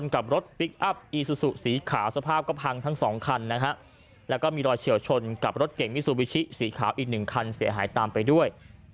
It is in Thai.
กับรถพลิกอัพอีซูซูสีขาวสภาพก็พังทั้งสองคันนะฮะแล้วก็มีรอยเฉียวชนกับรถเก่งมิซูบิชิสีขาวอีกหนึ่งคันเสียหายตามไปด้วย